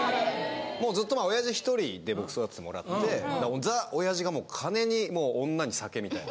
もうずっとまあオヤジ１人で僕育ててもらってザ・オヤジがもう金に女に酒みたいな。